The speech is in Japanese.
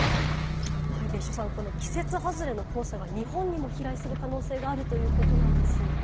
別所さん、この季節外れの黄砂が日本にも飛来する可能性があるということなんですよね。